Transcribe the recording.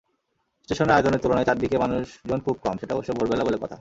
স্টেশনের আয়তনের তুলনায় চারদিকে মানুষজন খুব কম, সেটা অবশ্য ভোরবেলা বলে কথা।